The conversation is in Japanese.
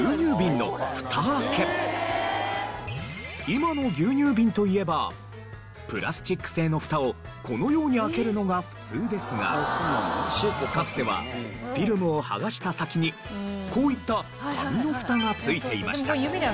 今の牛乳瓶といえばプラスチック製の蓋をこのように開けるのが普通ですがかつてはフィルムを剥がした先にこういった紙の蓋がついていました。